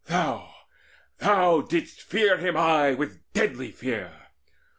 Thou thou didst fear him aye with deadly fear!